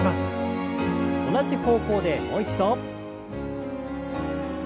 同じ方向でもう一度。